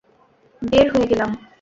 বের হয়ে গেলাম।